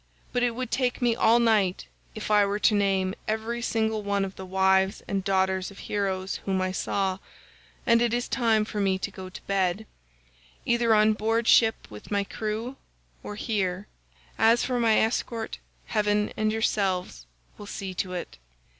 But it would take me all night if I were to name every single one of the wives and daughters of heroes whom I saw, and it is time for me to go to bed, either on board ship with my crew, or here. As for my escort, heaven and yourselves will see to it."